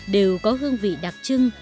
đều có hương vị đặc trưng